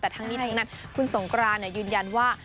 แต่ทั้งนี้ทั้งนั้นคุณสงกรานยืนยันว่า